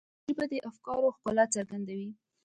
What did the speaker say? ژبه د افکارو ښکلا څرګندوي